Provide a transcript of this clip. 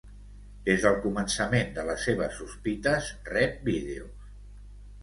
Des del començament de les seves sospites, rep vídeos.